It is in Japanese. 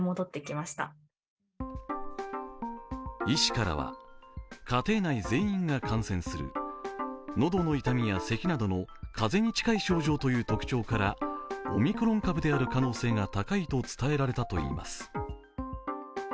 医師からは、家庭内全員が感染する、喉の痛みやせきなどの風邪に近い症状ということからオミクロン株である可能性が高いと伝えられたといいます。